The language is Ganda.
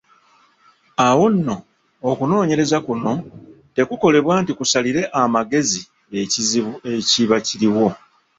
Awo nno, okunoonyereza kuno tekukolebwa nti kusalire amagezi ekizibu ekiba kiriwo.